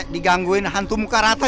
digangguin hantu muka rata